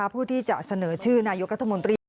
ผู้ที่จะเสนอชื่อนายกรัฐมนตรี